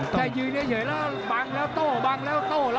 ถ้ายืนเยอะเยอะแล้วบังแล้วโต้บังแล้วโต้